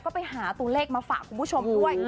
ก็ไปหาตัวเลขมาฝากคุณผู้ชมด้วย